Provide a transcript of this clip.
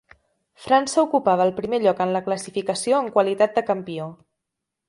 França ocupava el primer lloc en la classificació en qualitat de campió.